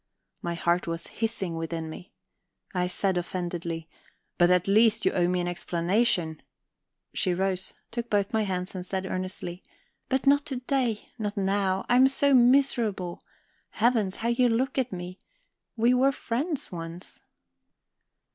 My heart was hissing within me. I said offendedly: "But at least you owe me an explanation..." She rose, took both my hands, and said earnestly: "But not to day; not now. I am so miserable. Heavens, how you look at me. We were friends once..."